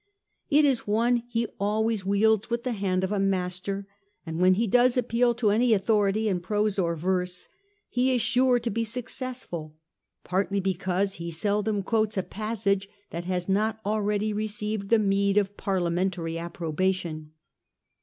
It is one he always wields with the hand of a master, and when he does appeal to any authority in prose or verse, he is sure to be successful, partly because he seldom quotes a passage that has not already received the meed of Parliamentary approbation.